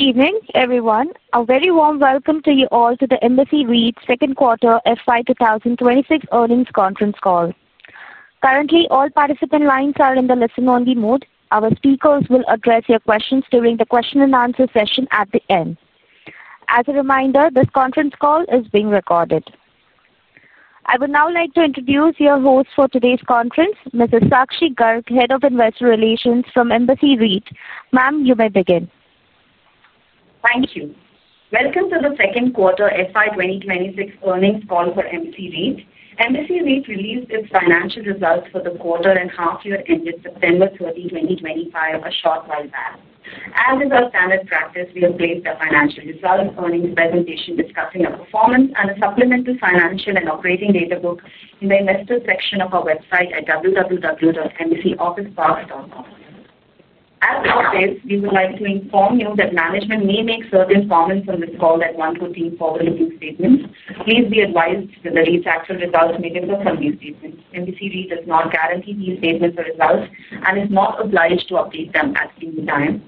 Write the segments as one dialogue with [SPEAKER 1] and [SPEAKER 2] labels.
[SPEAKER 1] Good evening everyone. A very warm welcome to you all to the Embassy REIT second quarter FY 2026 earnings conference call. Currently all participant lines are in the listen only mode. Our speakers will address your questions during the question and answer session at the end. As a reminder, this conference call is being recorded. I would now like to introduce your host for today's conference, Mrs. Sakshi Garg, Head of Investor Relations from Embassy REIT. Ma'am, you may begin.
[SPEAKER 2] Thank you. Welcome to the second quarter FY2026 earnings call for Embassy REIT. Embassy REIT released its financial results for the quarter and half year ended September 30, 2025. A short while back, as is our standard practice, we have placed our financial results, earnings presentation discussing our performance, and a supplemental financial and operating data book in the investors section of our website at www.embassyofficeparks.com. As always, we would like to inform you that management may make certain comments on this call at 1:14 forward looking statements. Please be advised that the REIT's actual results may differ from these statements. Embassy REIT does not guarantee these statements or results and is not obliged to update them at any time.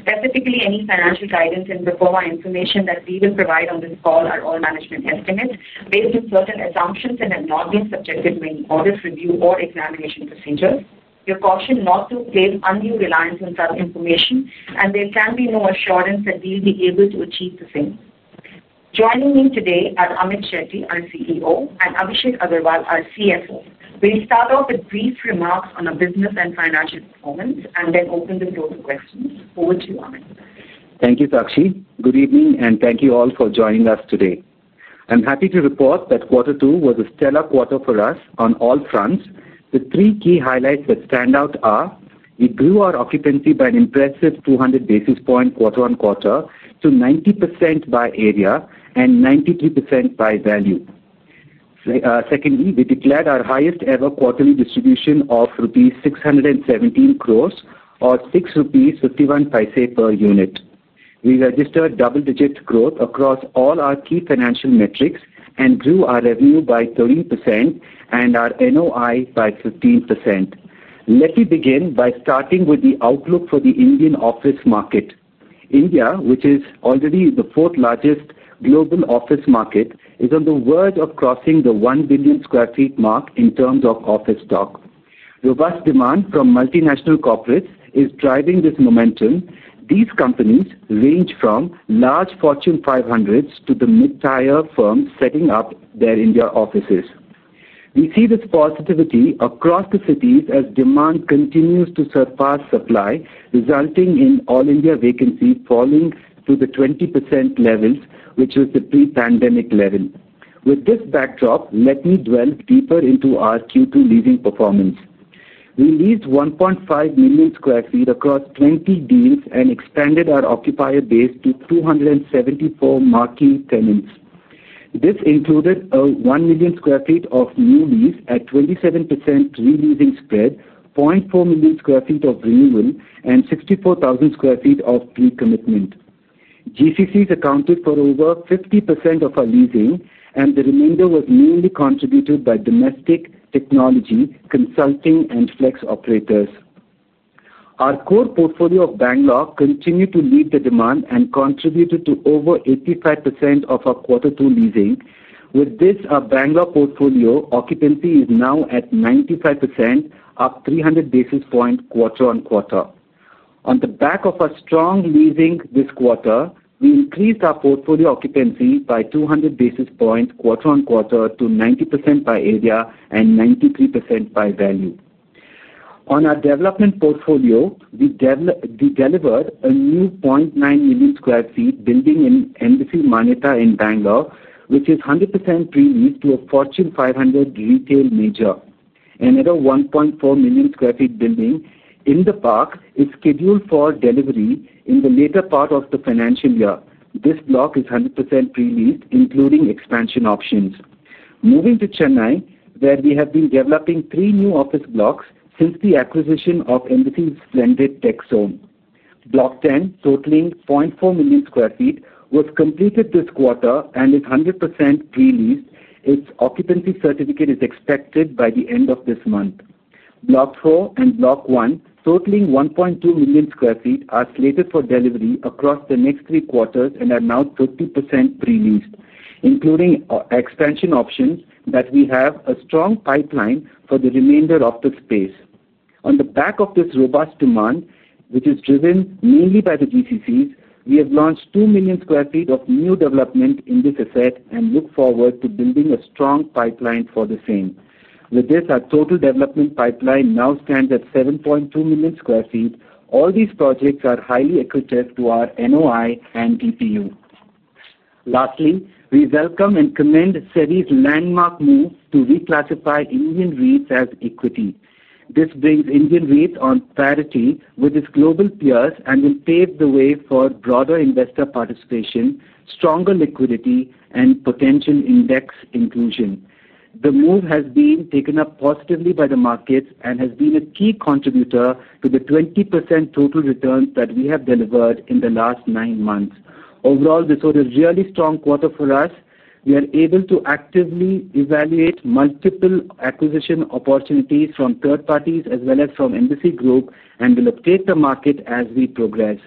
[SPEAKER 2] Specifically, any financial guidance and pro forma information that we will provide on this call are all management estimates based on certain assumptions that have not been subjected to any audit, review or examination procedures. We are cautioned not to place undue reliance on such information and there can be no assurance that we will be able to achieve the same. Joining me today are Amit Shetty, our CEO, and Abhishek Agarwal, our CFO. We'll start off with brief remarks on our business and financial performance and then. Open the floor to questions. Over to you, Amit.
[SPEAKER 3] Thank you, Sakshi. Good evening and thank you all for joining us today. I'm happy to report that quarter two was a stellar quarter for us on all fronts and the three key highlights that stand out are we grew our occupancy by an impressive 200 basis point quarter on quarter to 90% by area and 93% by value. Secondly, we declared our highest ever quarterly distribution of rupees 617 crore or 6.51 rupees per unit. We registered double-digit growth across all our key financial metrics and grew our revenue by 13% and our NOI by 15%. Let me begin by starting with the outlook for the Indian office market. India, which is already the fourth largest global office market, is on the verge of crossing the 1 billion sq ft mark in terms of office stock. Robust demand from multinational corporates is driving this momentum. These companies range from large Fortune 500s to the mid tier firms setting up their India offices. We see this positivity across the cities as demand continues to surpass supply, resulting in all India vacancy falling to the 20% levels, which is the pre pandemic level. With this backdrop, let me dwell deeper into our Q2 leasing performance. We leased 1.5 million sq ft across 20 deals and expanded our occupier base to 274 marquee tenants. This included 1 million sq ft of new lease at 27% re-leasing spread, 0.4 million sq ft of renewal, and 64,000 sq ft of pre-commitment. GCCs accounted for over 50% of our leasing and the remainder was mainly contributed by domestic technology consulting and flex operators. Our core portfolio of Bangalore continues to meet the demand and contributed to over 85% of our quarter two leasing. With this, our Bangalore portfolio occupancy is now at 95%, up 300 basis points quarter on quarter. On the back of strong leasing this quarter, we increased our portfolio occupancy by 200 basis points quarter on quarter to 90% by area and 93% by value on our development portfolio. We delivered a new 0.9 million sq ft building in Embassy Manyata in Bangalore, which is 100% pre-leased to a Fortune 500 retail. Another 1.4 million sq ft building in the park is scheduled for delivery in the later part of the financial year. This block is 100% pre-leased including expansion options. Moving to Chennai, where we have been developing three new office blocks since the acquisition of Embassy's Splendid Tech Zone. Block 10, totaling 0.4 million sq ft, was completed this quarter and is 100% pre-leased. Its occupancy certificate is expected by the end of this month. Block 4 and Block 1, totaling 1.2 million sq ft, are slated for delivery across the next three quarters and are now 30% pre-leased including expansion options. We have a strong pipeline for the remainder of the space. On the back of this robust demand, which is driven mainly by the GCCs, we have launched 2 million sq ft of new development in this asset and look forward to building a strong pipeline for the same. With this, our total development pipeline now stands at 7.2 million sq ft. All these projects are highly accretive to our NOI and DPU. Lastly, we welcome and commend SEBI's landmark move to reclassify Indian REITs as equity. This brings Indian REITs on parity with its global peers and will pave the way for broader investor participation, stronger liquidity, and potential index inclusion. The move has been taken up positively by the markets and has been a key contributor to the 20% total returns that we have delivered in the last nine months. Overall, this was a really strong quarter for us. We are able to actively evaluate multiple acquisition opportunities from third parties as well as from Embassy Group and will update the market as we progress.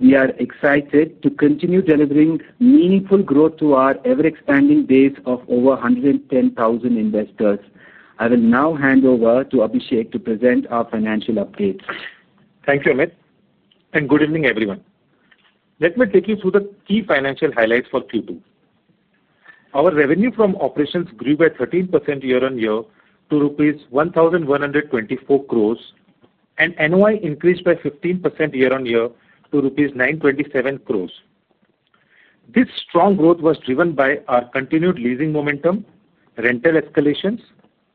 [SPEAKER 3] We are excited to continue delivering meaningful growth to our ever expanding base of over 110,000 investors. I will now hand over to Abhishek to present our financial updates.
[SPEAKER 4] Thank you Amit and good evening everyone. Let me take you through the key financial highlights for Q2. Our revenue from operations grew by 13% year on year to rupees 1,124 crore and NOI increased by 15% year on year to rupees 927 crore. This strong growth was driven by our continued leasing momentum, rental escalations,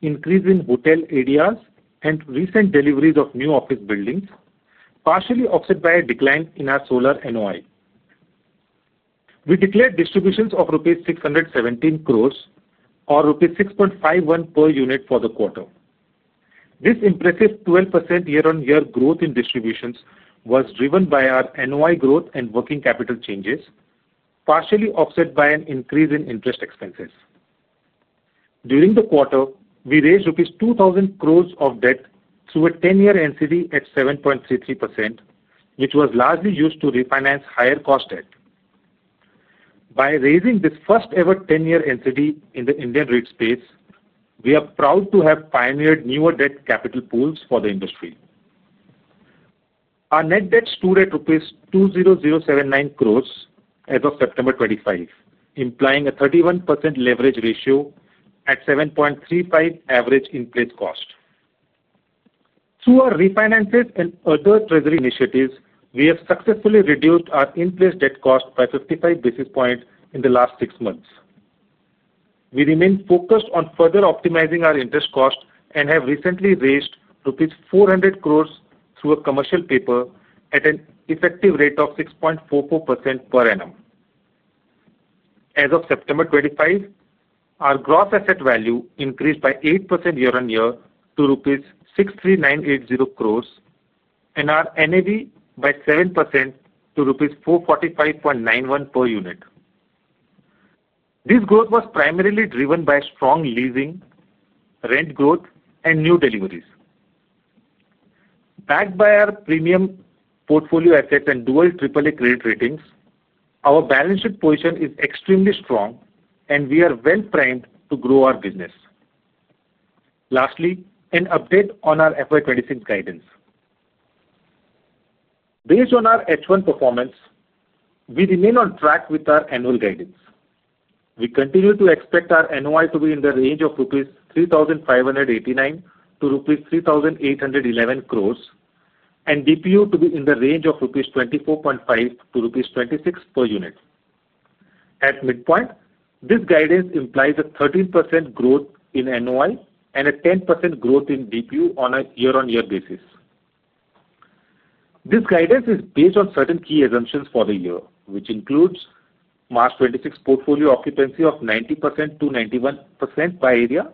[SPEAKER 4] increase in hotel ADRs, and recent deliveries of new office buildings, partially offset by a decline in our solar NOI. We declared distributions of 617 crore rupees or 6.51 rupees per unit for the quarter. This impressive 12% year on year growth in distributions was driven by our NOI growth and working capital changes, partially offset by an increase in interest expenses during the quarter. We raised INR 2,000 crore of debt through a 10-year NCD at 7.33%, which was largely used to refinance higher cost debt. By raising this first ever 10-year NCD in the Indian REIT space, we are proud to have pioneered newer debt capital pools for the industry. Our net debt stood at rupees 2,079 crore as of September 25, implying a 31% leverage ratio at 7.35% average in-place cost. Through our refinances and other treasury initiatives, we have successfully reduced our in-place debt cost by 55 basis points in the last six months. We remain focused on further optimizing our interest cost and have recently raised rupees 400 crore through a commercial paper at an effective rate of 6.44% per annum. As of September 25, our gross asset value increased by 8% year on year to rupees 63,980 crore and our NAV by 7% to rupees 445.91 per unit. This growth was primarily driven by strong leasing, rent growth, and new deliveries. Backed. By our premium portfolio assets and dual AAA credit ratings. Our balance sheet position is extremely strong and we are well primed to grow our business. Lastly, an update on our FY2026 guidance. Based on our H1 performance, we remain on track with our annual guidance. We continue to expect our NOI to be in the range of 3,589-3,811 crore rupees and DPU to be in the range of 24.5-26 rupees per unit. At midpoint, this guidance implies a 13% growth in NOI and a 10% growth in DPU on a year-on-year basis. This guidance is based on certain key assumptions for the year which includes March 26th portfolio occupancy of 90%-91% by area,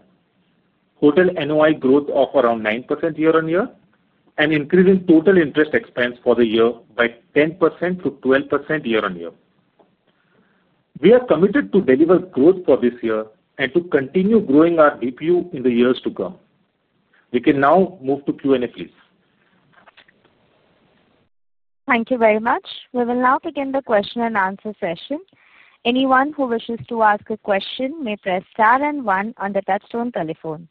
[SPEAKER 4] total NOI growth of around 9% year-on-year and increasing total interest expense for the year by 10%-12% year-on-year. We are committed to deliver growth for. This year and to continue growing our DPU in the years to come. We can now move to Q and A, please.
[SPEAKER 1] Thank you very much. We will now begin the question and answer session. Anyone who wishes to ask a question may press star and one on the touchstone telephone.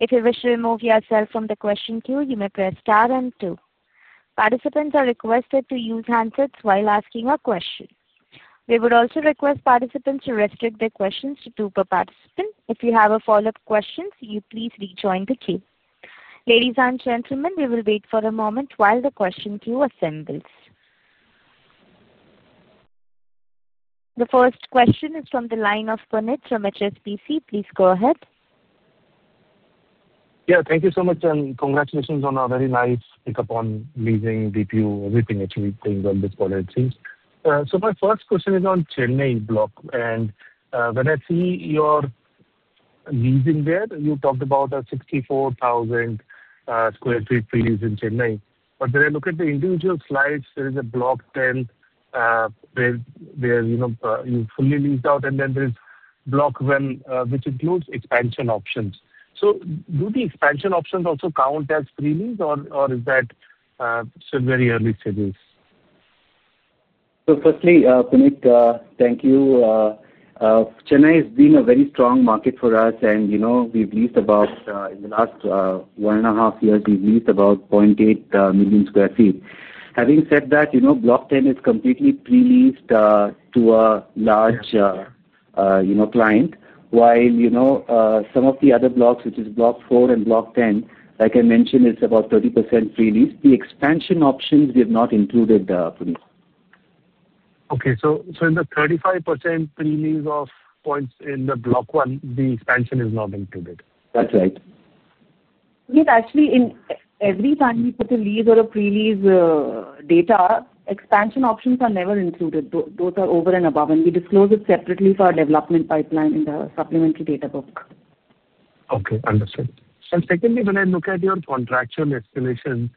[SPEAKER 1] If you wish to remove yourself from the question queue, you may press star and two. Participants are requested to use handsets while asking a question. We would also request participants to restrict their questions to two per participant. If you have a follow-up question, you please rejoin the queue. Ladies and gentlemen, we will wait for a moment while the question queue assembles. The first question is from the line of Punit from HSBC. Please go ahead. Yeah, thank you so much and congratulations on a very nice pick up on leasing DPU. Everything actually things on this call it seems. My first question is on Chennai block and when I see your leasing there you talked about 64,000 sq ft in Chennai but when I look at the individual slides there is a block 10 where you know you fully leased out and then there is block one which includes expansion options. Do the expansion options also count as pre-lease or is that very early stages?
[SPEAKER 3] Firstly, Punit, thank you. Chennai has been a very strong market for us and you know we've leased about, in the last one and a half years, we've leased about 0.8 million sq ft. Having said that, you know, block 10 is completely pre-leased to a large, you know, client. While you know some of the other. Blocks, which is block 4 and block. 10, like I mentioned it's about 30% pre-lease. The expansion options we have not included, Punit. Okay, so in the 35% pre-lease of points in the Block 1, the expansion is not included.
[SPEAKER 4] That's right, yes.
[SPEAKER 2] Actually every time we put a lease or a pre-lease data, expansion options are never included. Those are over and above and we disclose it separately for our development pipeline. In the supplementary data book. Okay, understood. Secondly, when I look at your contractual escalation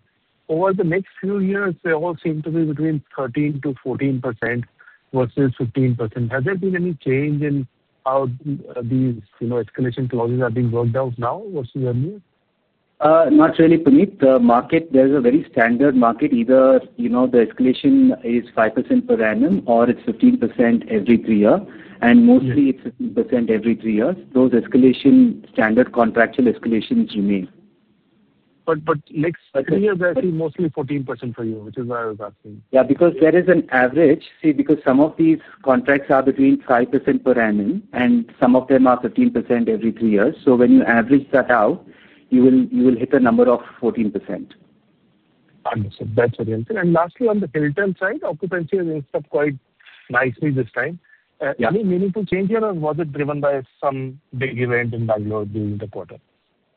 [SPEAKER 2] over the next few years, they all seem to be between 13-14% versus 15%. Has there been any change in how these escalation clauses are being worked out now versus earlier?
[SPEAKER 3] Not really, Punit. The market, there's a very standard market. Either the escalation is 5% per annum or it's 15% every three years. And mostly it's 15% every three years. Those escalation standard contractual escalations remain. Next three years I see mostly 14% for you, which is what I was asking. Yeah, because there is an average. See, because some of these contracts are between 5% per annum and some of them are 15% every three years. So when you average that out, you will hit a number of 14%. That's a real thing. Lastly, on the Hilton side, occupancy has installed quite nicely this time. Any meaningful change here or was it? Driven by some big event in Bangalore during the quarter?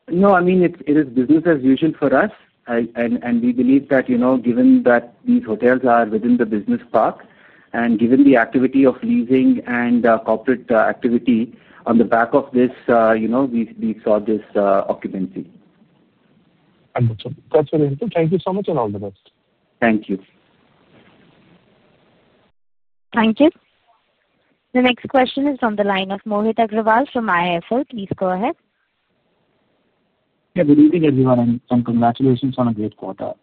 [SPEAKER 3] No, I mean it is business as usual for us. We believe that given that these hotels are within the business park and given the activity of leasing and corporate activity on the back of this, we saw this occupancy. That's very helpful. Thank you so much and all the best. Thank you.
[SPEAKER 1] Thank you. The next question is from the line of Mohit Agrawal from IIFL. Please go ahead.
[SPEAKER 5] Good evening everyone and congratulations on a great quarter.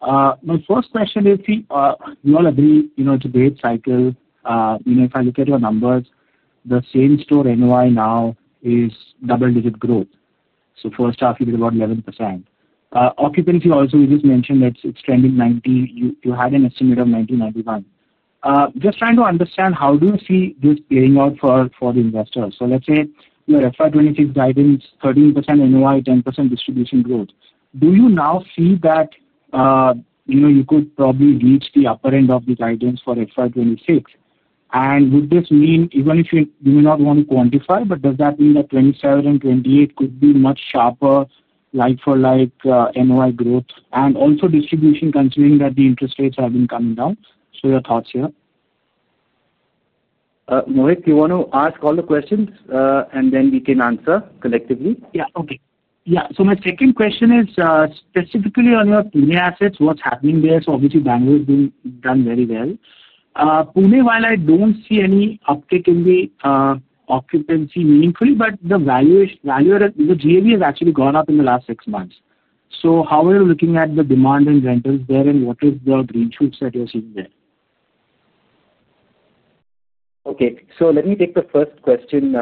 [SPEAKER 5] My first question is you all agree, you know, it's a great cycle. You know, if I look at your numbers, the same store NOI now is double digit growth. So first half you did about 11% occupancy. Also you just mentioned that it's trending 90. You had an estimate of 1991. Just trying to understand how do you see this playing out for the investors. So let's say your FY2026 guidance, 13% NOI, 10% distribution growth. Do you now see that you could probably reach the upper end of the guidance for FY2026 and would this mean even if you may not want to quantify, but does that mean that 2027 and 2028 could be much sharper like for like NOI growth and also distribution considering that the interest rates have been coming down. Your thoughts here.
[SPEAKER 3] Mohit, you want to ask all the questions and then we can answer collectively.
[SPEAKER 5] Yeah. Okay. Yeah. My second question is specifically on your Pune assets. What's happening there? Obviously Bangalore has done very well. Pune, while I don't see any uptick in the occupancy meaningfully, the GRV has actually gone up in the last six months. How are you looking at the demand in rentals there and what are the green shoots that you're seeing there?
[SPEAKER 3] Okay, so let me take the first question,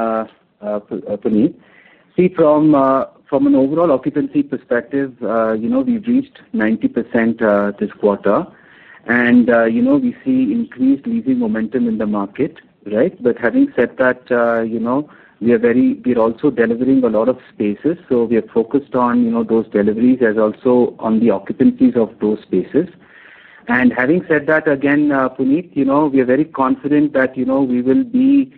[SPEAKER 3] Punit. See, from an overall occupancy perspective, you know, we've reached 90% this quarter and you know we see increased leasing momentum in the market. Right. Having said that, you know, we are very, we are also delivering a lot of spaces. We are focused on those deliveries as also on the occupancies of those spaces. Having said that again, Punit, we are very confident that we will be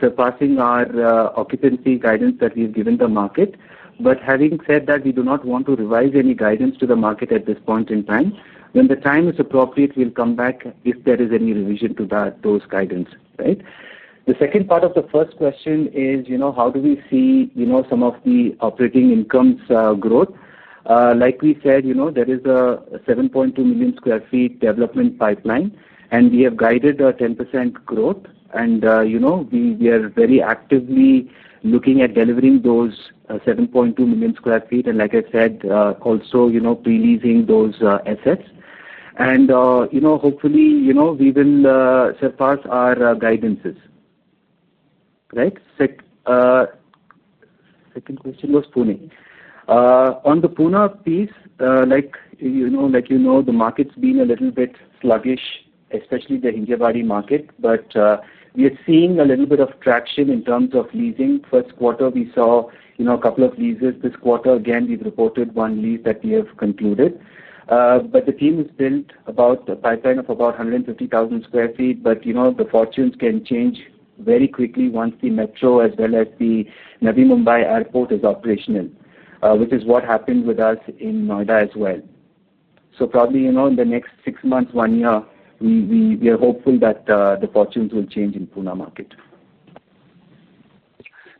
[SPEAKER 3] surpassing our occupancy guidance that we've given the market. Having said that, we do not want to revise any guidance to the market at this point. When the time is appropriate, we'll come back if there is any revision to those guidance. The second part of the first question is how do we see some of the operating incomes growth? Like we said, there is a 7.2 million sq ft development pipeline and we have guided a 10% growth and we are very actively looking at delivering those. 7.2 million sq ft. Like I said, also, you know, pre-leasing those assets and, you know, hopefully, you know, we will surpass our guidances. Right. Second question, was Pune on the Pune piece, like, you know, like, you know, the market's been a little bit sluggish, especially the Hinjewadi market, but we are seeing a little bit of traction in terms of leasing. First quarter, we saw a couple of leases. This quarter, again, we've reported one lease that we have concluded. The team has built a pipeline of about 150,000 sq ft. The fortunes can change very quickly once the Metro as well as the Navi Mumbai airport is operational, which is what happened with us in Noida as well. Probably in the next six months, one year, we are hopeful that the fortunes will change in the Pune market.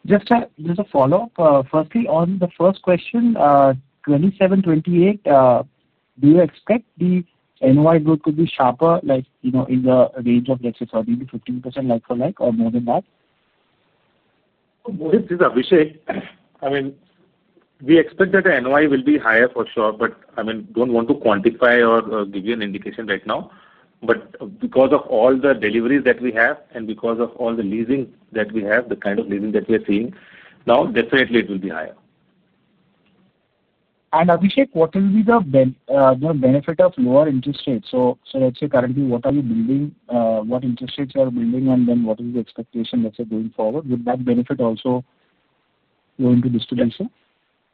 [SPEAKER 5] Just a follow up, firstly on the first question, 2027, 2028, do you expect the NOI growth to be sharper, like, you know, in the range of, let's say 13%-15%, like for like. Or more than that?
[SPEAKER 4] This is Abhishek. I mean, we expect that the NOI will be higher for sure. I mean, do not want to quantify or give you an indication right now, but because of all the deliveries that we have and because of all the leasing that we have, the kind of leasing that we are seeing now, definitely it will be higher.
[SPEAKER 5] Abhishek, what will be the benefit of lower interest rates? Let's say currently what are you building, what interest rates are building, and then what is the expectation, let's say going forward, would that benefit also go into distribution?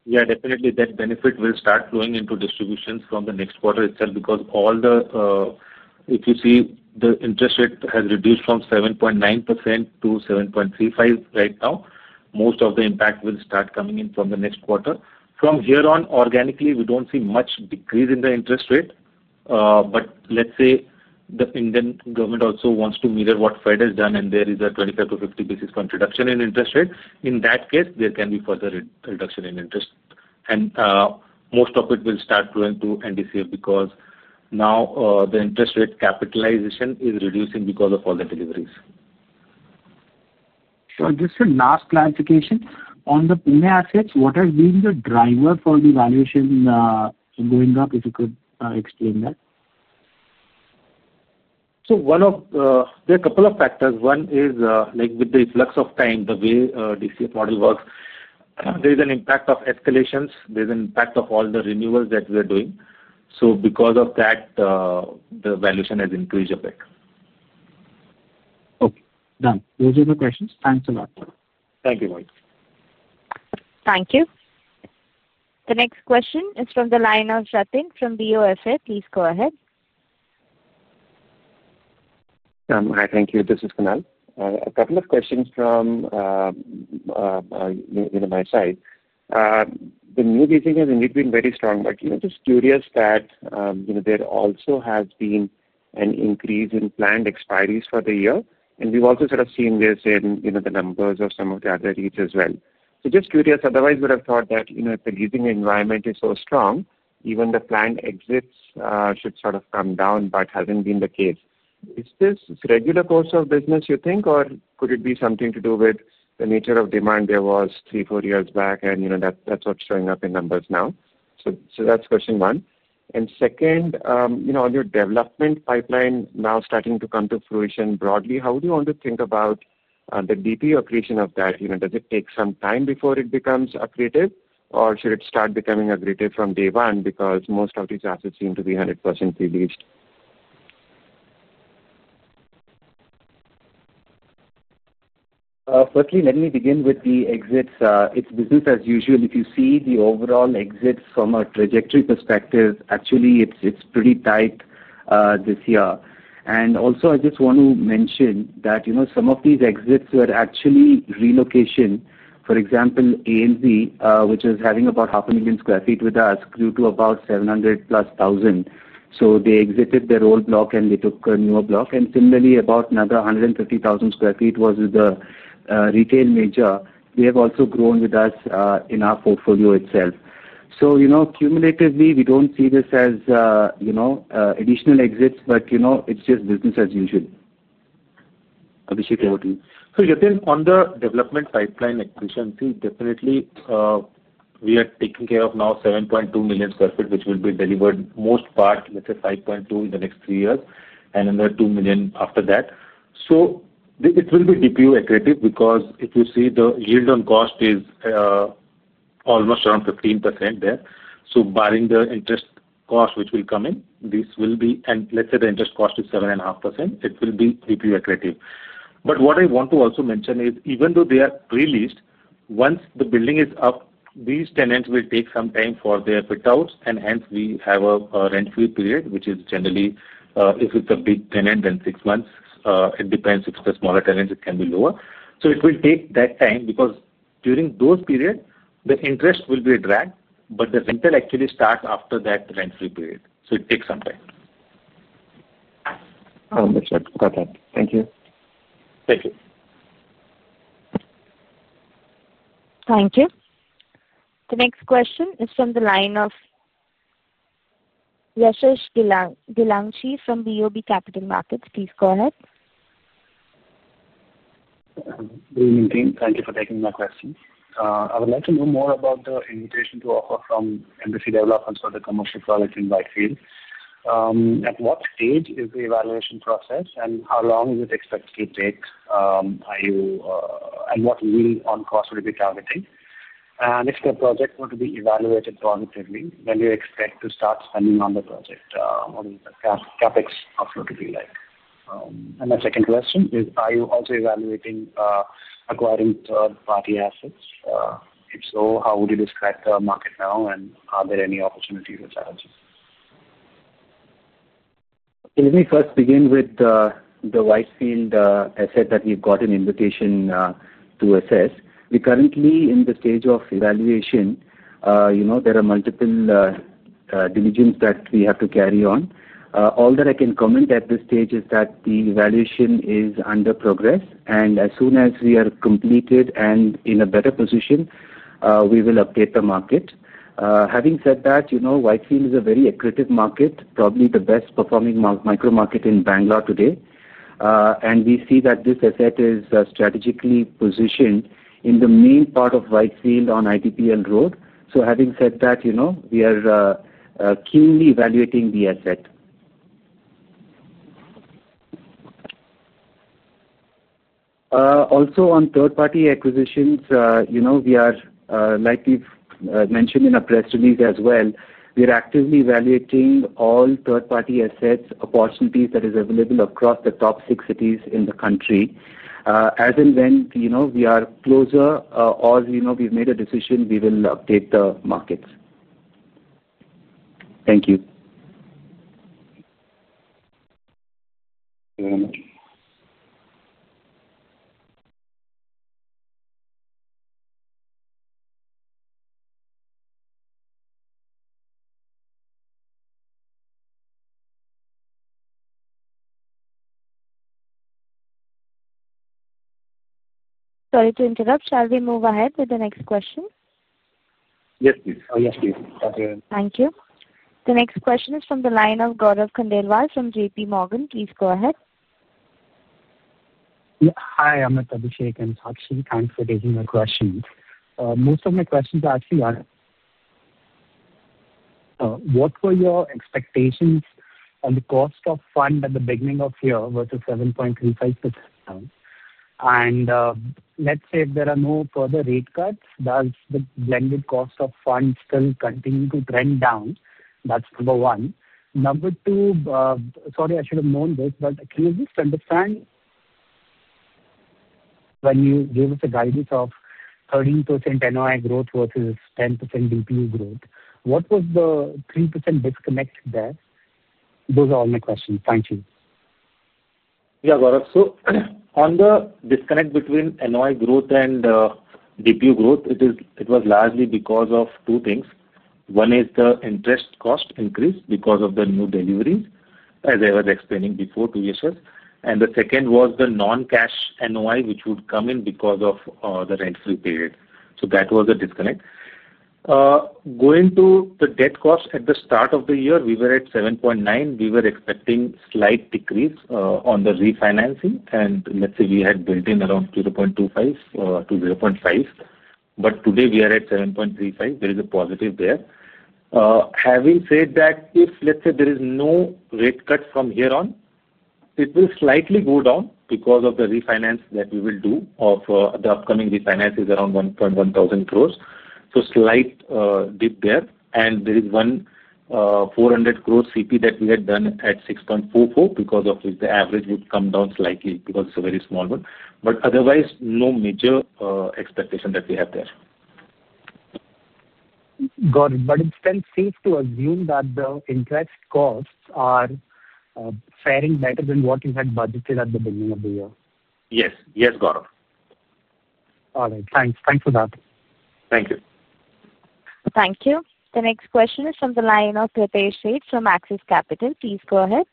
[SPEAKER 4] Yeah, definitely. That benefit will start flowing into distributions from the next quarter itself because all the, if you see, the interest rate has reduced from 7.9% to 7.35% right now, most of the impact will start coming in from the next quarter. From here on, organically, we do not see much decrease in the interest rate. Let's say the Indian government also wants to mirror what Fed has done and there is a 25-50 basis point reduction in interest rate. In that case, there can be further reduction in interest and most of it will start going to NCD because now the interest rate capitalization is reducing because of all the deliveries.
[SPEAKER 5] Sure. Just a last clarification on the Pune assets. What has been the driver for the valuation going up? If you could explain that.
[SPEAKER 4] One of the couple of factors, one is like with the flux of time, the way DC part works, there is an impact of escalations, there's an impact of all the renewals that we're doing. Because of that, the valuation has increased a bit.
[SPEAKER 5] Okay, done. Those are the questions. Thanks a lot.
[SPEAKER 4] Thank you.
[SPEAKER 1] Thank you. The next question is from the line of Jatin from Bank of America. Please go ahead. Hi. Thank you. This is Kunal. A couple of questions from my side. The new leasing has indeed been very. Strong, but just curious that there also has been an increase in planned expiries for the year. We've also sort of seen this in the numbers of some of the other REITs as well. Just curious, otherwise we would have thought that if the leasing environment is so strong, even the planned exits should sort of come down. It has not been the case. Is this regular course of business, you? Think, or could it be something to do with the nature of demand? There was three, four years back and that's what's showing up in numbers now. That's question one and second on your development pipeline now starting to come to fruition broadly, how would you want to think about the DPU accretion of that, does it take some time before it becomes accretive or should it start becoming accretive from day one? Because most of these assets seem to be 100% pre-leased.
[SPEAKER 3] Firstly let me begin with the exits. It's business as usual. If you see the overall exits from a trajectory perspective, actually it's pretty tight this year. I just want to mention that some of these exits were actually relocation. For example, ANZ, which is having about 500,000 sq ft with us, grew to about 700,000 plus. They exited their old block and they took a newer block, and similarly about another 150,000 sq ft was the retail major. They have also grown with us in our portfolio itself. You know, cumulatively we don't see this as, you know, additional exits but, you know, it's just business as usual. Abhishek, over to you.
[SPEAKER 4] On the development pipeline acquisition fee, definitely we are taking care of now 7.2 million sq ft which will be delivered most part, let's say 5.2 in the next three years and another 2 million after that. It will be DPU accretive because if you see the yield on cost is almost around 15% there. Barring the interest cost which will come in, this will be. Let's say the interest cost is 7.5%, it will be DPU accretive. What I want to also mention is even though they are pre-leased, once the building is up these tenants will take some time for their Fit-out and hence we have a rent free period which is generally if it's a big tenant then six months, it depends if the smaller tenants it can. Be lower, so it will take that. Time because during those period the interest. Will be a drag, but the rental. Actually starts after that rent free period, so it takes some time. Thank you. Thank you.
[SPEAKER 1] Thank you. The next question is from the line of Yashas Gilganchi from BOB Capital Markets. Please go ahead.
[SPEAKER 6] Good evening team. Thank you for taking my question. I would like to know more about the invitation to offer from Embassy Developers for the commercial project in Whitefield. At what stage is the evaluation process and how long is it expected to? Take. What on cost will it be targeting? If the project were to be evaluated positively, when do you expect to start spending on the project? What is the CapEx outflow to be like? The second question is are you also evaluating acquiring third party assets? If so, how would you describe the market now and are there any opportunities?
[SPEAKER 3] Let me first begin with the Whitefield asset that we've got an invitation to assess. We are currently in the stage of evaluation. You know there are multiple divisions that we have to carry on. All that I can comment at this stage is that the evaluation is under progress. As soon as we are completed and in a better position we will update the market. Having said that, Whitefield is a very accretive market. Probably the best performing micro market in Bangalore today. We see that this asset is strategically positioned in the main part of Whitefield on ITP and road. Having said that, we are keenly evaluating the asset. Also on third party acquisitions we are, like we've mentioned in our press release as well, we are actively evaluating all third party asset opportunities that are available across the top six cities in the country. As and when we are closer or we've made a decision, we will update the markets.
[SPEAKER 6] Thank you.
[SPEAKER 1] Sorry to interrupt. Shall we move ahead with the next question?
[SPEAKER 3] Yes please.
[SPEAKER 1] Thank you. The next question is from the line of Gaurav Khandelwal from JPMorgan. Please go ahead.
[SPEAKER 7] Hi Amit Shetty and Sakshi. Thanks for taking a question. Most of my questions actually are what were your expectations on the cost of fund at the beginning of year versus 7.35%. If there are no further rate cuts does the blended cost of funds still continue to trend down? That's number one. Number two, sorry I should have known this but can you just understand when you gave us a guidance of 13% NOI growth versus 10% DPU growth what was the 3% disconnect there? Those are all my questions. Thank you.
[SPEAKER 4] Yeah, Gaurav. On the disconnect between NOI growth and DPU growth, it was largely because of two things. One is the interest cost increase because of the new deliveries, as I was explaining before, two years. The second was the non-cash NOI which would come in because of the rent-free period. That was a disconnect going to the debt cost at the start of the year. We were at 7.9%. We were expecting a slight decrease on the refinancing, and let's say we had built in around 0.25%-0.5%. Today we are at 7.35%. There is a positive there. Having said that, if let's say there. is no rate cut from here on, it will slightly go down because of the refinance that we will do. The upcoming refinance is around 1.1 billion, so slight dip there. There is one 400 million Commercial Paper that we had done at 6.44% because of which the average would come down slightly, because it is a very small one. Otherwise, no major expectation that we have there.
[SPEAKER 7] Got it. It's then safe to assume that the interest costs are faring better than what you had budgeted at the beginning of the year.
[SPEAKER 6] Yes. Yes. Gaurav.
[SPEAKER 7] All right. Thanks. Thanks for that.
[SPEAKER 4] Thank you.
[SPEAKER 1] Thank you. The next question is from the line of Pritesh Sheth from Axis Capital. Please go ahead.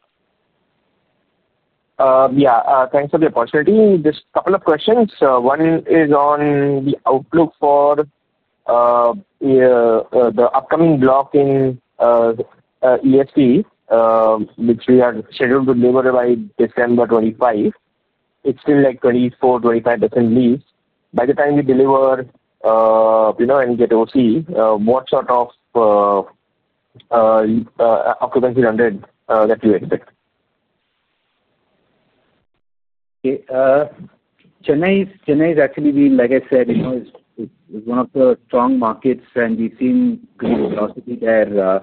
[SPEAKER 8] Yeah, thanks for the opportunity. Just a couple of questions. One is on the outlook for. The. Upcoming block in ESP which we are scheduled to deliver by December 25. It's still like 24-25% lease by the time we deliver and get OC. What sort of? Occupancy run rate that you expect?
[SPEAKER 3] Chennai is actually, like I said, one of the strong markets and we've seen velocity there.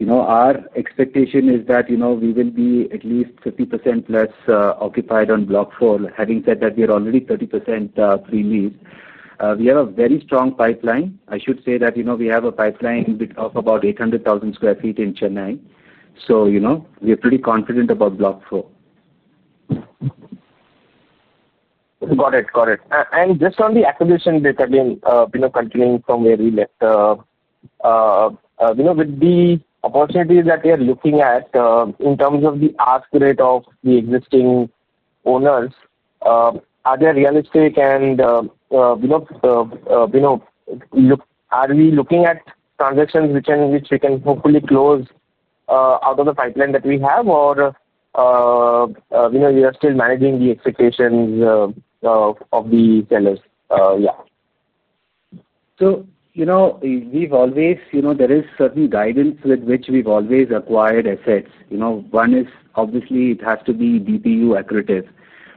[SPEAKER 3] You know, our expectation is that, you know, we will be at least 50% less occupied on Block 4. Having said that, we are already 30% pre-lease. We have a very strong pipeline. I should say that, you know, we have a pipeline of about 800,000 sq ft in Chennai. You know, we are pretty confident about Block 4.
[SPEAKER 8] Got it. Got it. Just on the acquisition that have been continuing from where we left with the opportunities that we are looking at in terms of the ask rate of the existing owners, are they realistic and are we looking at transactions which we can hopefully close out of the pipeline that we have? We are still. Managing the expectations of the sellers.
[SPEAKER 3] We have always, there is certain guidance with which we have always acquired assets. One is obviously it has to be DPU accretive.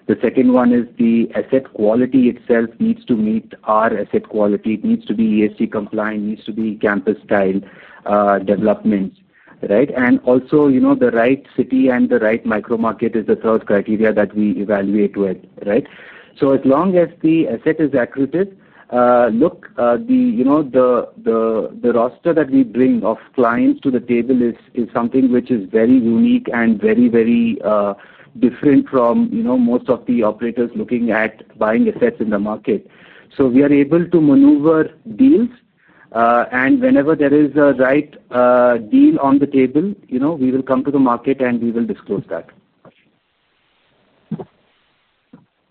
[SPEAKER 3] The second one is the asset quality itself needs to meet our asset quality. It needs to be ESG compliant, needs to be campus style developments, and also the right city and the right micro market is the third criteria that we evaluate. As long as the asset is accretive, look, the roster that we bring of clients to the table is something which is very unique and very, very different from most of the operators looking at buying assets in the market. We are able to maneuver deals and whenever there is a right deal on the table, you know, we will come to the market and we will disclose that.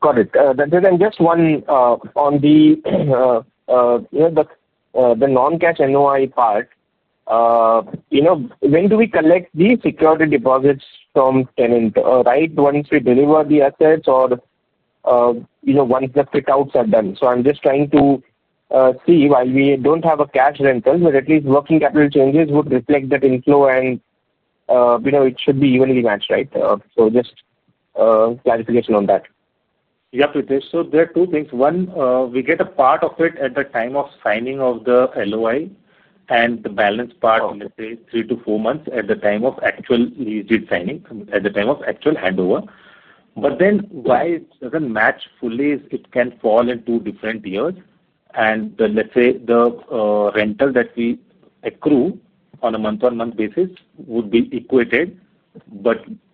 [SPEAKER 8] Got it. Just one on the non-cash NOI part. You know, when do we collect the security deposits from tenant? Right, once we deliver the assets or, you know, once the fit-outs are done. I am just trying to see why we do not have a cash rental. But at least working capital changes would reflect that inflow. You know, it should be evenly matched. Right. Just clarification on that.
[SPEAKER 4] Yeah. So there are two things. One, we get a part of it at the time of signing of the LOI and the balance part, let's say three to four months at the time of actual lease. Did signing at the time of actual handover. Why it does not match fully is it can fall in two different years. Let's say the rental that we. Accrue on a month-on-month basis would be equated.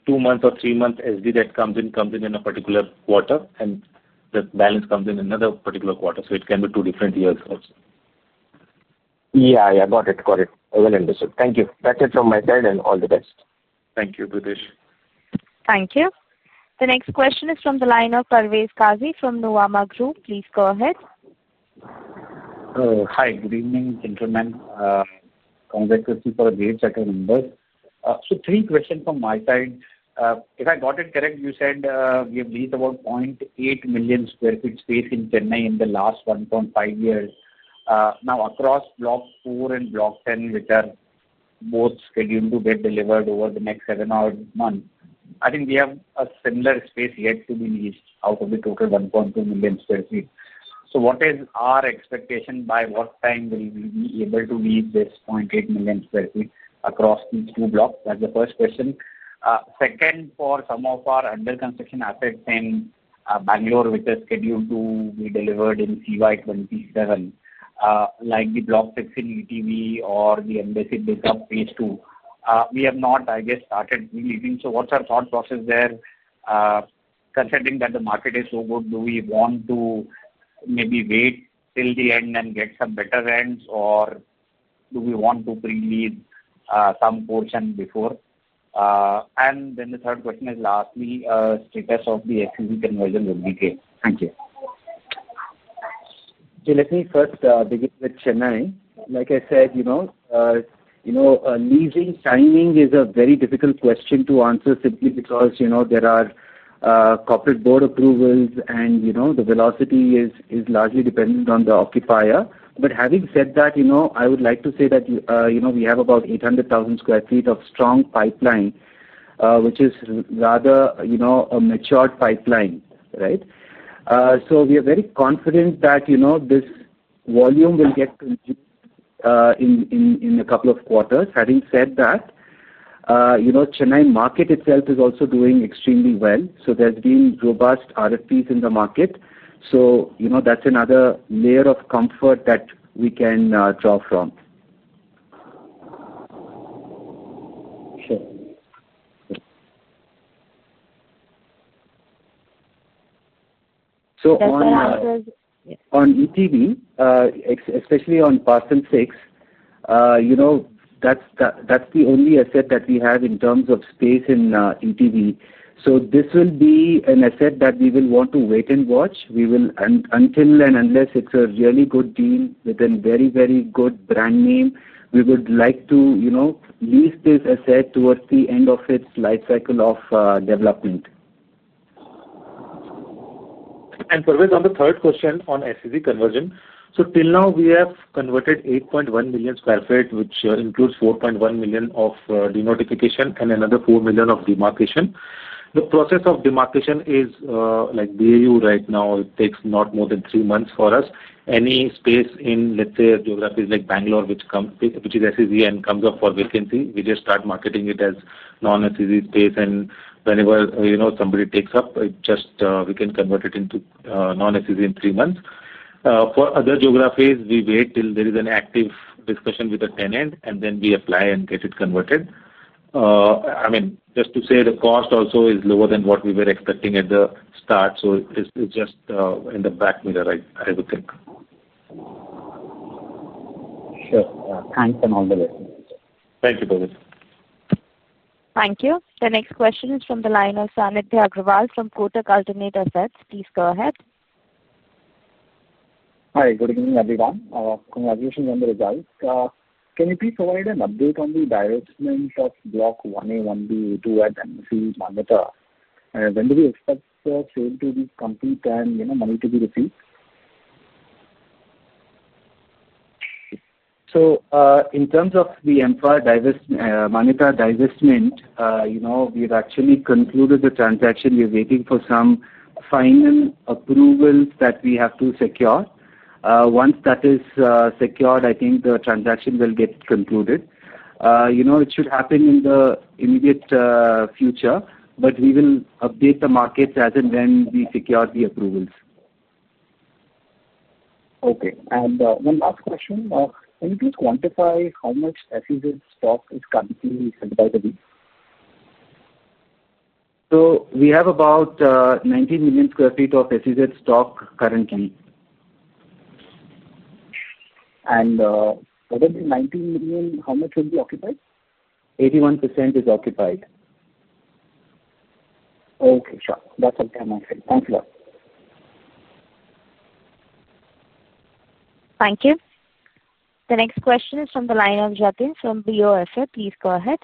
[SPEAKER 4] Two months or three months SD that comes in comes in a particular quarter and the balance comes in another particular quarter. It can be two different years also.
[SPEAKER 8] Yeah, I got it. Got it. Well understood. Thank you. That's it. From my side and all the best.
[SPEAKER 4] Thank you.
[SPEAKER 1] Thank you. The next question is from the line of Parvez Qazi from Nuvama Group. Please go ahead.
[SPEAKER 9] Hi, good evening gentlemen. Congratulations for the great sector numbers. Three questions from my side. If I got it correct, you said we have reached about 0.8 million sq ft. Feet space in Chennai in the last one and a half years. Now across Block 4 and Block 10, which are both scheduled to get delivered. Over the next seven odd months, I think we have a similar space yet to be leased out of the total. 1.2 million sq ft. What is our expectation by what time will we be able to reach? This 0.8 million sq ft across these two blocks? That's the first question. Second, for some of our under construction assets in Bangalore which are scheduled to. Be delivered in CY27 like the block six in ETB or the Embassy BizPark phase two, we have not, I guess, started leasing. What's our thought process there? Considering that the market is so good, do we want to maybe wait till the end and get some better rents? Do we want to pre-lease some portion before? The third question is lastly. Status of the SEZ conversion would be great. Thank you.
[SPEAKER 3] Let me first begin with Chennai. Like I said, you know, leasing timing is a very difficult question to answer simply because there are corporate board approvals and the velocity is largely dependent on the occupier. But having said that, I would like to say that we have about 800,000 sq ft of strong pipeline which is rather a matured pipeline. So we are very confident that this volume will get in a couple of quarters. Having said that, you know, Chennai market itself is also doing extremely well. So there's been robust RFPs in the market. So you know, that's another layer of comfort that we can draw from.
[SPEAKER 9] Sure.
[SPEAKER 3] On ETB, especially on Parcel 6, that's the only asset that we have in terms of space in ETB. This will be an asset that we will want to wait and watch. Until and unless it's a really good deal with a very, very good brand name, we would like to lease this asset towards the end of its life cycle of development.
[SPEAKER 4] Parvez, on the third question on assets conversion. Till now we have converted 8.1 million sq ft, which includes 4.1 million of denotification and another 4 million of demarcation. The process of demarcation is like BAU right now. It takes not more than three months for us. Any space in, let's say, geographies like Bangalore, which is SEZ and comes up for vacancy, we just start marketing it as non-SEZ space. Whenever somebody takes it up, we can convert it into non-SEZ in three months. For other geographies, we wait till there is an active discussion with the tenant and then we apply and get it converted. I mean, just to say, the cost also is lower than what we were expecting at the start. It's just in the back mirror, I would think.
[SPEAKER 9] Sure. Thanks and all the way.
[SPEAKER 4] Thank you, Parvez.
[SPEAKER 1] Thank you. The next question is from the line of Bedi from Kotak Alternate Assets, please go ahead. Hi. Good evening everyone. Congratulations on the results. Can you please provide an update on the divestment of Block 1A1BA2 at Embassy Manyata? When do we expect the sale to? Be complete and money to be received?
[SPEAKER 3] In terms of the Embassy Manyata divestment, we've actually concluded the transaction. We're waiting for some final approvals that we have to secure. Once that is secured, I think the transaction will get concluded. It should happen in the immediate future. We will update the markets as and when we secure the appropriate approvals. Okay. And one last question. Can you please quantify how much SEZ stock is currently held by the REIT? We have about 19 million sq ft of SEZ stock currently. How much will be occupied? 81% is occupied. Okay, sure. That's okay. Thank you.
[SPEAKER 1] Thank you. The next question is from the line of Jatin from Bank of America. Please go ahead.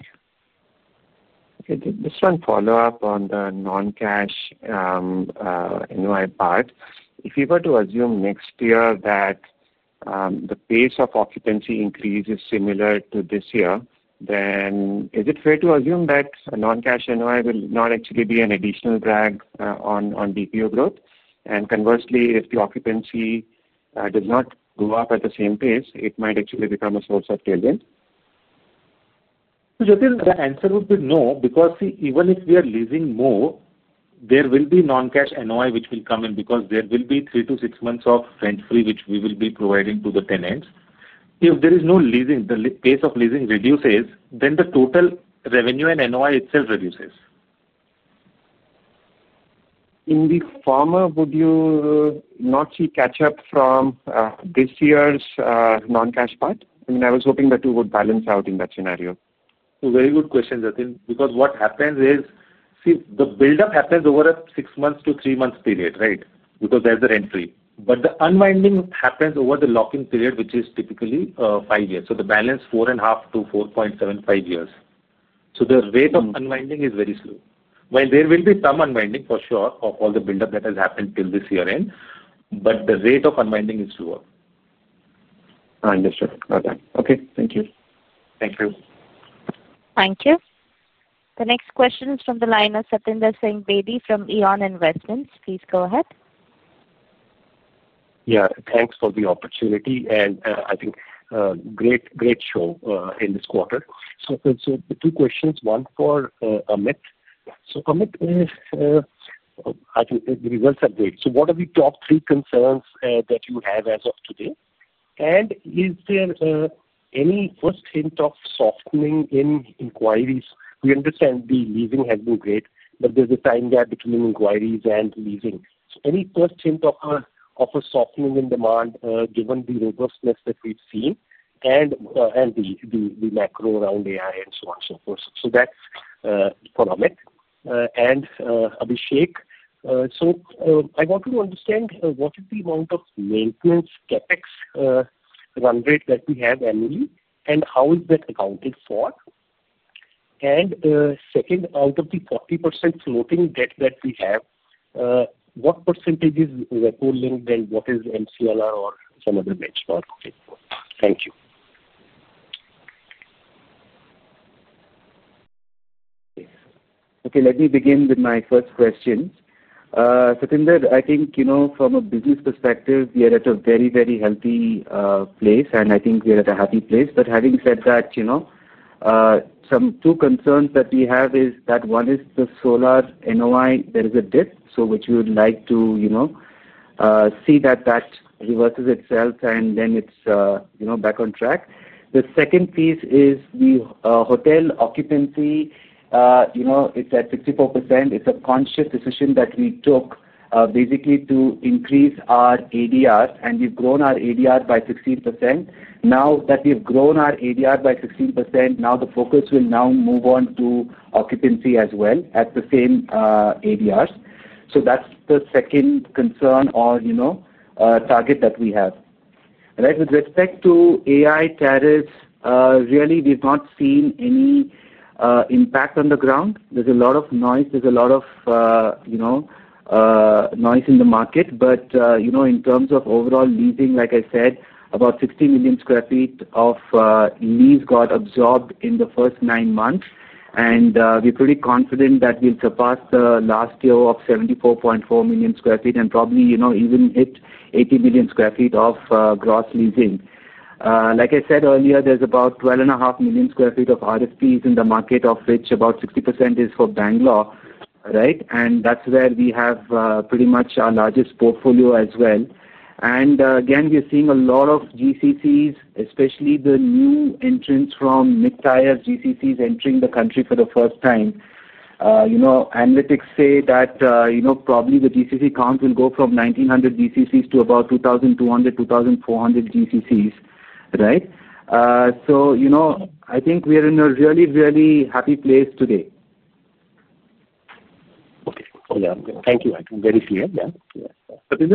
[SPEAKER 1] This one. Follow up on the non-cash NOI part. If you were to assume next year that the pace of occupancy increase is similar to this year, then is it fair to assume that non-cash NOI will not actually be an additional drag on DPU growth? Conversely, if the occupancy does not go up at the same pace, it might actually become a source of tailwind.
[SPEAKER 4] Jatin, the answer would be no because even if we are leasing more, there will be non-cash NOI which will come in because there will be three to six months of rent free which we will be providing to the tenants. If there is no leasing, the pace of leasing reduces, then the total revenue and NOI itself reduces. In the former. Would you not see catch up from this year's non-cash part? I mean, I was hoping that you would balance out in that scenario. Very good question. Because what happens is, see, the buildup happens over a six months to three months period, right? Because there's an entry, but the unwinding happens over the locking period, which is typically five years. So the balance four and a half to 4.75 years. The rate of unwinding is very slow. While there will be some unwinding for sure of all the buildup that has happened till this year end, the rate of unwinding is lower. Understood? Okay, thank you.
[SPEAKER 1] The next question is from the line of Satyinder Singh Bedi from Eon Investments. Please go ahead.
[SPEAKER 10] Yeah, thanks for the opportunity and I think great, great show in this quarter. Two questions, one for Amit. Amit. The results are great. What are the top three concerns that you have as of today and is there any first hint of softening in inquiries? We understand the leasing has been great but there's a time gap between inquiries and leasing. Any first hint of a softening in demand given the robustness that we've seen and the macro around AI and so on so forth. That's for Amit and Abhishek. I want to understand what is the amount of maintenance capex run rate that we have annually and how is that accounted for? Second, out of the 40% floating debt that we have, what percentage is repo linked and what is MCLR or some other benchmark? Thank you.
[SPEAKER 3] Okay, let me begin with my first question. Satyinder. I think you know, from a business perspective we are at a very, very healthy and I think we're at a happy place. Having said that, you know, two concerns that we have is that one is the solar NOI. There is a dip, which we would like to, you know, see that that reverses itself and then it's, you know, back on track. The second piece is the hotel occupancy. You know, it's at 64%. It's a conscious decision that we took basically to increase our ADR. We've grown our ADR by 16% now. The focus will now move on to occupancy as well at the same ADRs. That's the second concern or, you know, target that we have. With respect to AI tariffs, really we've not seen any impact on the ground. There's a lot of noise, there's a. Lot of. Noise in the market. In terms of overall leasing, like I said, about 60 million sq ft of lease got absorbed in the first nine months. We are pretty confident that we will surpass last year of 74.4 million sq ft and probably even hit 80 million sq ft of gross leasing. Like I said earlier, there is about 12.5 million sq ft of RFPs in the market, of which about 60% is for Bangalore. Right. That is where we have pretty much our largest portfolio as well. Again, we are seeing a lot of GCCs, especially the new entrants from mid-tier GCCs entering the country for the first time. You know, analytics say that, you know, probably the GCC count will go from 1,900 GCCs to about 2,200-2,400 GCCs. Right. I think we are in a really, really happy place today.
[SPEAKER 10] Thank you. Very clear. Yeah.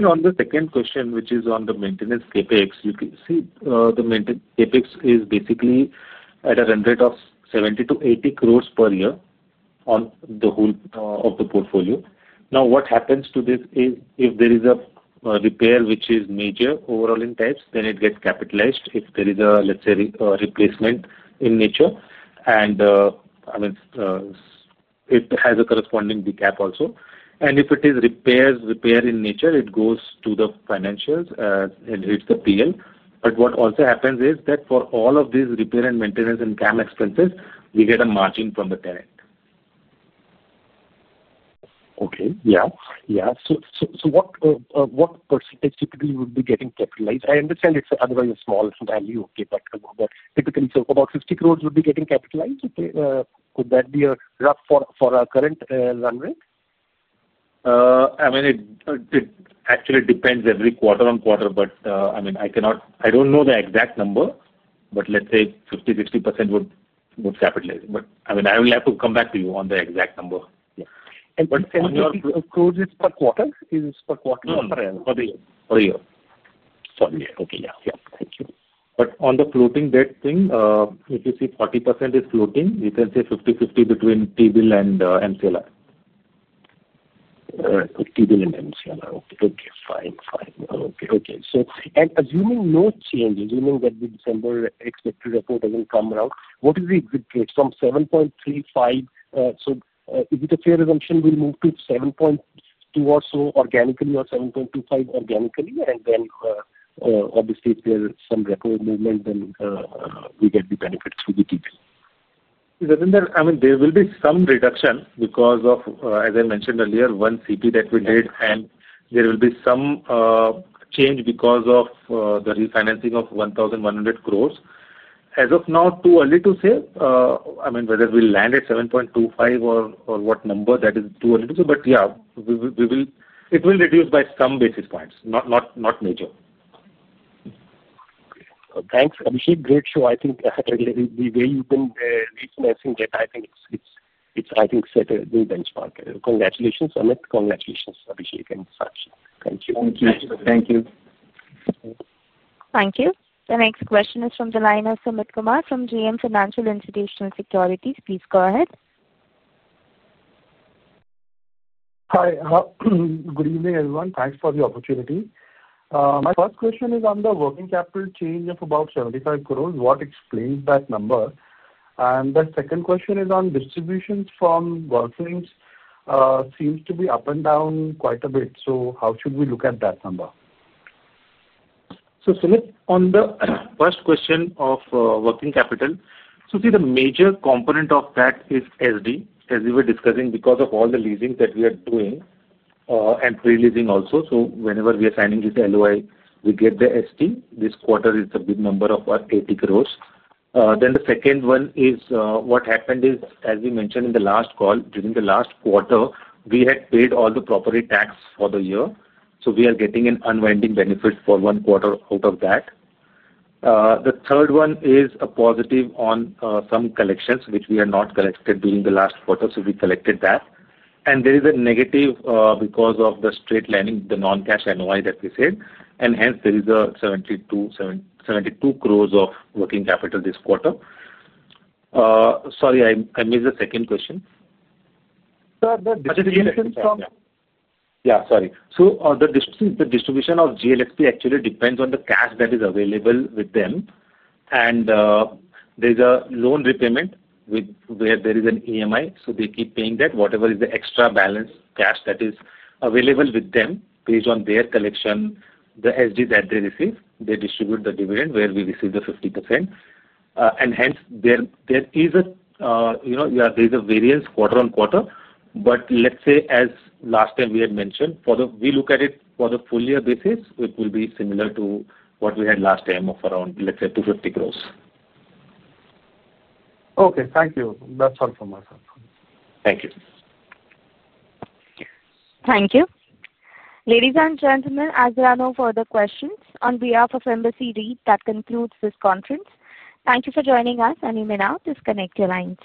[SPEAKER 4] On the second question, which is on the maintenance CapEx, you can see the maintenance CapEx is basically at a run rate of 70-80 crores per year on the whole of the portfolio. Now what happens to this is if there is a repair which is major overall in types, then it gets capitalized. If there is a, let's say, replacement in nature and it has a corresponding VCAP also. And if it is repairs, repair in nature, it goes to the financials and it's the P&L. What also happens is that for all of these repair and maintenance and CAM expenses, we get a margin from the tenant.
[SPEAKER 10] Okay, yeah, yeah. What percentage typically would be getting capitalized? I understand it's otherwise a small value typically. About 50 crore would be getting capitalized. Could that be a rough for our current run rate?
[SPEAKER 4] I mean, it actually depends every quarter on quarter. I mean, I cannot, I do not know the exact number, but let's say 50, 50% would capitalize. I mean I will have to come back to you on the exact number. Is per quarter. Okay. Yeah. Yeah.
[SPEAKER 10] Thank you.
[SPEAKER 4] On the floating debt thing, if you see 40% is floating, you can say 50-50 between T-Bill and MCLR.
[SPEAKER 10] Okay. Okay, fine, fine.
[SPEAKER 4] Okay.
[SPEAKER 10] Okay. So assuming no change, assuming that the December expected report does not come around, what is the exit rate from 7.35? Is it a fair assumption we will move to 7.2 or so organically or 7.25 organically? Obviously, there is some record movement. We get the benefit through the tp.
[SPEAKER 4] I mean there will be some reduction because of as I mentioned earlier one CP that we did and there will be some change because of the refinancing of 1,100 crores as of now. Too early to say. I mean whether we land at 7.25 or what number, that is too early to say. Yeah, it will reduce by some basis points.
[SPEAKER 10] Not major. Thanks Abhishek. Great show. I think the way you can reach messenger, I think it's set a new benchmark. Congratulations Amit. Congratulations Abhishek and Sakshi. Thank you.
[SPEAKER 4] Thank you.
[SPEAKER 1] Thank you. The next question is from the line of Sumit Kumar from JM Financial Institutional Securities. Please go ahead.
[SPEAKER 11] Hi, good evening everyone. Thanks for the opportunity. My first question is on the working capital change of about 75 crore. What explains that number? My second question is on distributions from workings seems to be up and down quite a bit. How should we look at that number?
[SPEAKER 4] Sumit, on the first question of working capital. See, the major component of that is SD, as we were discussing, because of all the leasing that we are doing and pre-leasing also. Whenever we are signing this NOI, we get the SD. This quarter is. The big number of our 80 crores. The second one is what happened is as we mentioned in the last call during the last quarter we had paid all the property tax for the year. We are getting an unwinding benefit for one quarter out of that. The third one is a positive on some collections which we had not collected. During the last quarter. We collected that and there is a negative because of the spread straight line in the non-cash NOI that we said. Hence, there is 7.72 crores of working capital this quarter. Sorry, I missed the second question. Yeah, sorry. The distribution of JLP actually depends on the cash that is available with them. There is a loan repayment where there is an EMI, so they keep paying that. Whatever is the extra balance cash that is available with them based on their collection, the SD that they receive, they distribute the dividend where we receive the 50%. Hence, there is a variance quarter on quarter. Let's say as last time we had mentioned, for the, we look at it for the full year basis, it will be similar to what we had last time of around, let's say, 250 crore.
[SPEAKER 11] Okay, thank you. That's all from myself.
[SPEAKER 4] Thank you.
[SPEAKER 1] Thank you. Ladies and gentlemen, as there are no further questions, on behalf of Embassy REIT, that concludes this conference. Thank you for joining us. You may now disconnect your lines.